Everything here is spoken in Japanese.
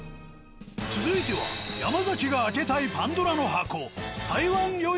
続いては山崎が開けたいパンドラの箱。